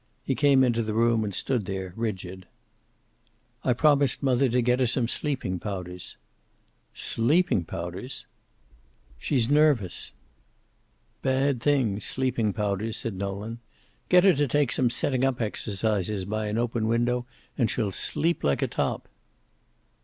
He came into the room, and stood there, rigid. "I promised mother to get her some sleeping powders." "Sleeping powders!" "She's nervous." "Bad things, sleeping powders," said Nolan. "Get her to take some setting up exercises by an open window and she'll sleep like a top."